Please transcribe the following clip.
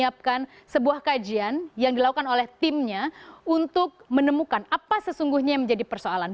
dan akan menyiapkan sebuah kajian yang dilakukan oleh timnya untuk menemukan apa sesungguhnya yang menjadi persoalan